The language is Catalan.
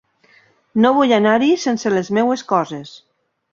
No vull anar-hi sense les meves coses.